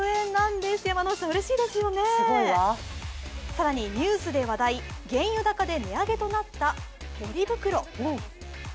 更にニュースで話題原油高で値上げとなったポリ袋。